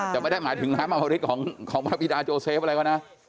จะไม่ได้หมายถึงน้ำอมริตของพระพิดาโจเซฟอะไรวะนะ